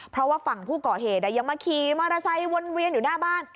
เพราะว่าฝั่งผู้ก่อเหตุยังมาขี่มอเตอร์ไซค์วนเวียนอยู่หน้าบ้าน